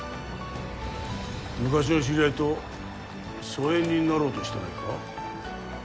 昔の知り合いと疎遠になろうとしてないか？